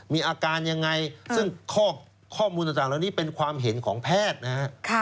มีอาการยังไงซึ่งข้อมูลต่างเหล่านี้เป็นความเห็นของแพทย์นะฮะ